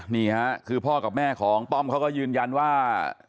นี่ค่ะคือพ่อกับแม่ของป้อมเขาก็ยืนยันว่า